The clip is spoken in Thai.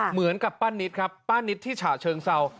เหมือนกับป้านิตครับป้านิตที่ฉะเชิงเศร้า